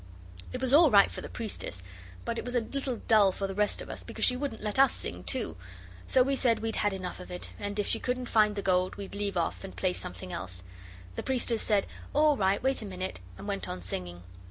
It was all right for the priestess, but it was a little dull for the rest of us, because she wouldn't let us sing, too; so we said we'd had enough of it, and if she couldn't find the gold we'd leave off and play something else. The priestess said, 'All right, wait a minute,' and went on singing.